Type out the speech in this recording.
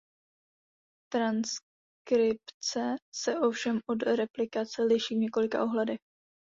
Transkripce se ovšem od replikace liší v několika ohledech.